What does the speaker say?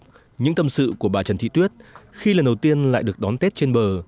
nhưng những tâm sự của bà trần thị tuyết khi lần đầu tiên lại được đón tết trên bờ